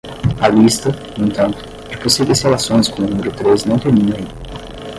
A lista, no entanto, de possíveis relações com o número três não termina aí.